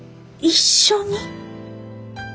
一緒に？